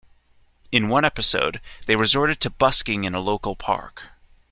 In one episode, they resorted to busking in a local park.